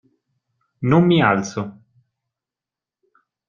Non mi alzo!